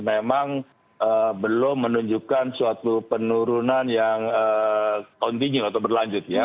memang belum menunjukkan suatu penurunan yang kontinu atau berlanjutnya